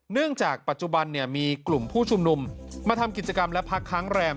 เนื่องจากปัจจุบันมีกลุ่มผู้ชุมนุมมาทำกิจกรรมและพักค้างแรม